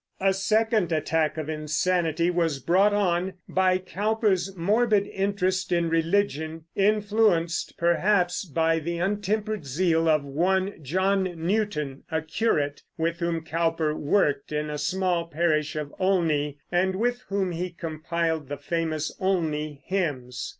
A second attack of insanity was brought on by Cowper's morbid interest in religion, influenced, perhaps, by the untempered zeal of one John Newton, a curate, with whom Cowper worked in the small parish of Olney, and with whom he compiled the famous Olney Hymns.